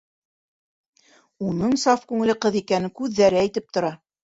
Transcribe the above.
Уның саф күңелле ҡыҙ икәнен күҙҙәре әйтеп тора.